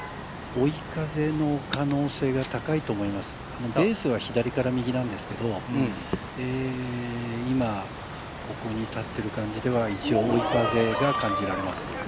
追い風の可能性が高いと思います、ベースは左から右なんですけれども、今ここに立っている感じでは一応、追い風が感じられます。